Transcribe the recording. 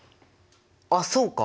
あっそうか！